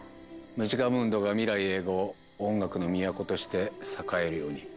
ムジカムンドが未来永劫音楽の都として栄えるように。